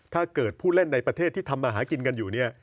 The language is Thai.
ถ้าเกิดผู้เล่นในประเทศที่ทำมาหากินกันอยู่เนี่ย